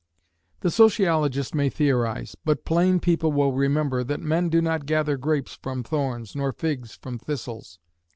The sociologist may theorise, but plain people will remember that men do not gather grapes from thorns, nor figs from thistles.